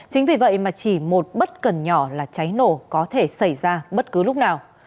chính vì vậy mà chỉ một bất cần nhỏ là cháy nổ có thể xảy ra bất cứ lúc nào